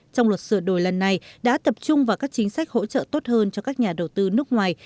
trong luật sửa đổi lần này đã tập trung vào các chính sách hỗ trợ tốt hơn cho các nhà đầu tư nước ngoài